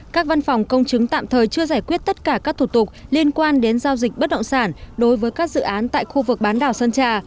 các văn phòng công chứng tạm thời chưa giải quyết tất cả các thủ tục liên quan đến giao dịch bất động sản đối với các dự án tại khu vực bán đảo sơn trà